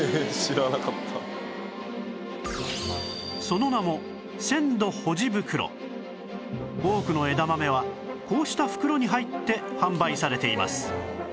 その名も多くの枝豆はこうした袋に入って販売されています